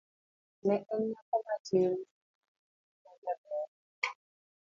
Ne en nyako matin majaber.